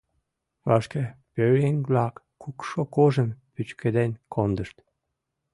Вашке пӧръеҥ-влак кукшо кожым пӱчкеден кондышт.